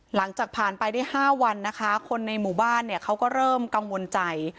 หลังจากผ่านไปได้๕วันนะคะคนในหมู่บ้านเนี่ยเขาก็เริ่มกังวลใจ